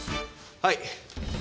はい。